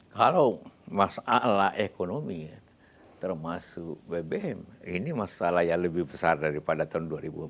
kalau masalah ekonomi termasuk bbm ini masalah yang lebih besar daripada tahun dua ribu empat belas